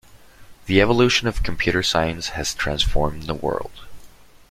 The evolution of computer science has transformed the world.